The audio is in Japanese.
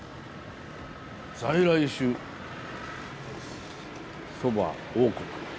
「在来種そば王国福井」。